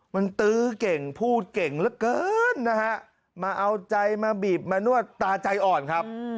มันตื้อเก่งพูดเก่งเหลือเกินนะฮะมาเอาใจมาบีบมานวดตาใจอ่อนครับ